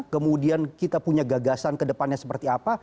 kemudian kita punya gagasan ke depannya seperti apa